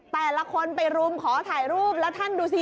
แต่ละคนไปรุมขอถ่ายรูปแล้วท่านดูสิ